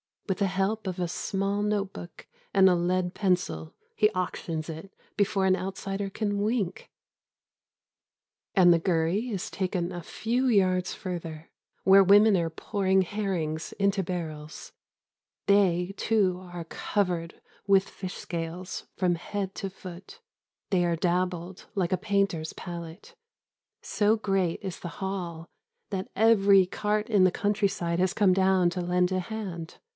With the help of a small notebook and a lead pencil he auctions it before an outsider can wink, and the gurry is taken a few yards further, where women are pouring herrings into barrels. They, too, are covered with fish scales from head to foot. They are dabbled like a painter's palette. So great is the haul that every cart in the country side has come down to lend a hand.